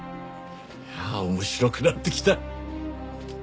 いやあ面白くなってきた。